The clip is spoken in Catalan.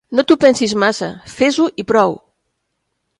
No t'ho pensis massa, fes-ho i prou.